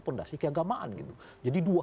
fondasi keagamaan gitu jadi dua